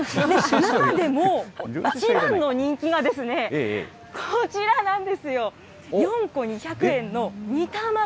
中でも一番の人気が、こちらなんですよ、４個２００円の煮卵。